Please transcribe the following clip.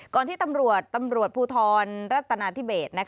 ที่ตำรวจตำรวจภูทรรัฐนาธิเบส